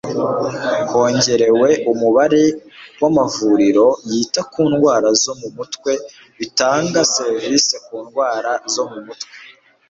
hongerewe umubare w' amavuriro yita kundwara zo mumutwe bitanga serivisi ku ndwara zo mu mutwe